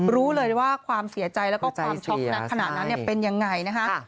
รู้เลยว่าความเสียใจและความช็อกขนาดนั้นเป็นอย่างไรนะคะ